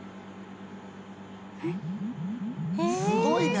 すごいね！